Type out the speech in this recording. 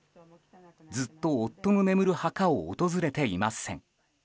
ずっと夫の眠る墓を訪れていません。